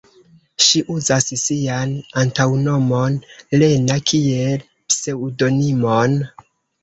Ŝi uzas sian antaŭnomon "Lena" kiel pseŭdonimon.